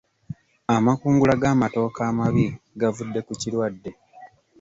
Amakungula g'amatooke amabi gavudde ku kirwadde.